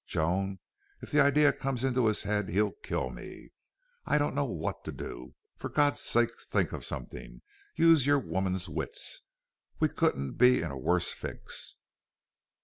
Joan, if the idee comes into his head he'll kill me. I don't know what to do. For God's sake think of somethin'!... Use your woman's wits!... We couldn't be in a wuss fix!"